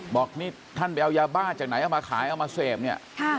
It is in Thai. บอกนี่ท่านไปเอายาบ้าจากไหนเอามาขายเอามาเสพเนี่ย